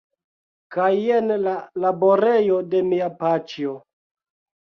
Kaj jen la laborejo de mia paĉjo.